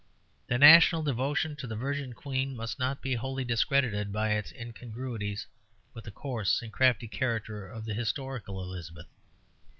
The national devotion to the Virgin Queen must not be wholly discredited by its incongruity with the coarse and crafty character of the historical Elizabeth.